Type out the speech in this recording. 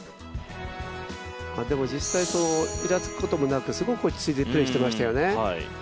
でも、実際いらつくこともなく、すごく落ち着いてプレーしていましたよね。